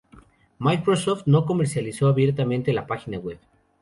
Microsoft no comercializó abiertamente la página web.